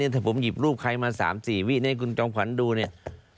ถ้าผมหยิบรูปใครมา๓๔วิให้คุณจอมขวัญดูเนี่ย